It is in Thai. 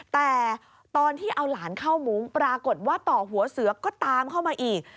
แต่ตอนที่เอาหลานเข้ามุ้งปรากฏว่าต่อหัวเสือก็ตามเข้ามาอีก